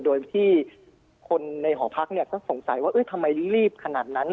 โดยที่คนในหอพักก็สงสัยว่าทำไมรีบขนาดนั้น